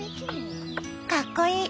かっこいい。